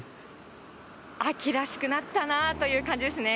秋らしくなったなという感じですね。